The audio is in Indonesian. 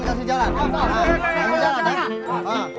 kasih jalan ya